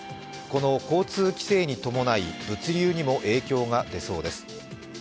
この交通規制に伴い物流にも影響が出そうです。